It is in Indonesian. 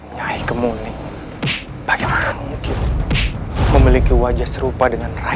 nyai kemuni bagaimana mungkin memiliki wajah serupa dengan rai sumpahkan